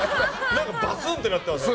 バスンってなってますよね。